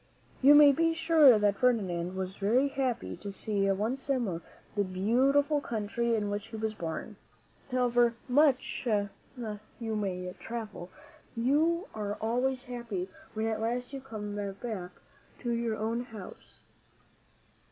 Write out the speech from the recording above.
You may be sure that Ferdinand was very happy to see once more the beautiful country in which he was born. However much you may travel, you are always happy when at last you come back to your own home.